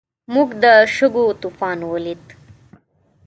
موږ د شګو طوفان ولید.